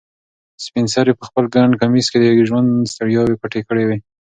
سپین سرې په خپل ګڼ کمیس کې د ژوند ستړیاوې پټې کړې وې.